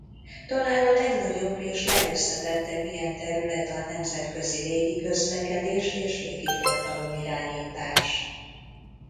Talán a legnagyobb és legösszetettebb ilyen terület a nemzetközi légiközlekedés és légiforgalom irányítás.